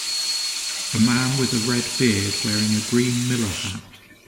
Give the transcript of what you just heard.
A man with a red beard wearing a green Miller hat.